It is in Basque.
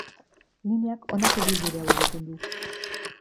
Lineak honako ibilbide hau egiten du.